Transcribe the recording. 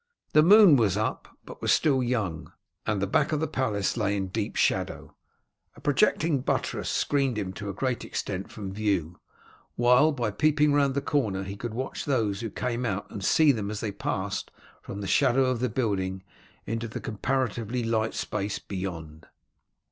The moon was up but was still young, and the back of the palace lay in deep shadow; a projecting buttress screened him to a great extent from view, while by peeping round the corner he could watch those who came out and see them as they passed from the shadow of the building into the comparatively light space beyond.